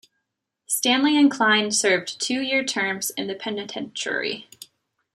Stanley and Kline served two year terms in the penitentiary.